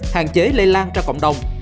hạn chế lây lan cho cộng đồng